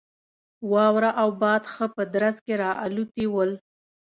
واوره او باد ښه په درز کې را الوتي ول.